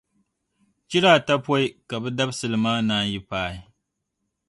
chira ata pɔi ka bɛ dabisili maa naanyi paai.